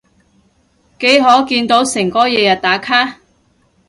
幾可見過誠哥日日打卡？